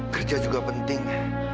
kerja juga penting